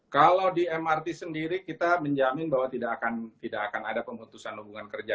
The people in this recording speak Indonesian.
kalau di mrt sendiri kita menjamin bahwa tidak akan ada pemutusan hubungan kerja